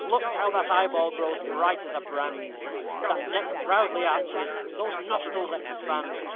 Look! how that eyeball grows bright as a brand! That neck proudly arches, those nostrils expand!